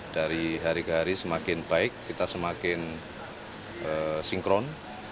dari hari ke hari semakin baik kita semakin sinkron